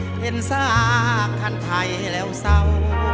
เห็นสาคันไทยแล้วเศร้า